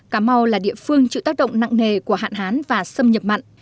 cà mau là địa phương chịu tác động nặng nề của hạn hán và xâm nhập mặn